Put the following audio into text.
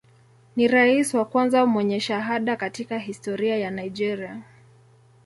Ni rais wa kwanza mwenye shahada katika historia ya Nigeria.